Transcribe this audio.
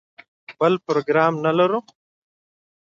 بل پروګرام نه لري.